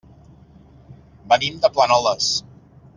Venim de Planoles.